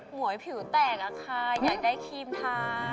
หวยผิวแตกอะค่ะอยากได้ครีมทา